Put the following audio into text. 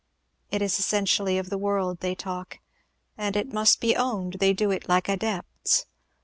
It is essentially of the world they talk, and it must be owned they do it like adepts.